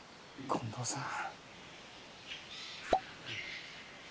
近藤さん。